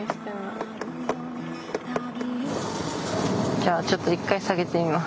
じゃあちょっと一回下げてみます。